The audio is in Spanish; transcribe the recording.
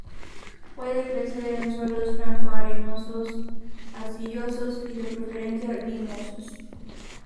Puede crecer en suelos franco arenosos, arcillosos y de preferencia limosos.